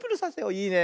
いいね。